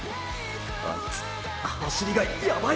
あいつ走りがヤバい！